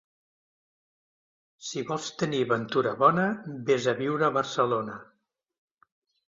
Si vols tenir ventura bona, ves a viure a Barcelona.